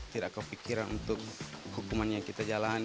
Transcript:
tidak kepikiran untuk hukuman yang kita jalani